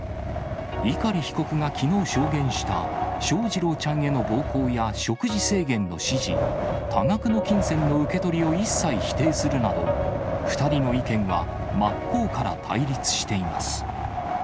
碇被告がきのう証言した翔士郎ちゃんへの暴行や食事制限の指示、多額の金銭の受け取りを一切否定するなど、２人の意見は真っ向から対立しています。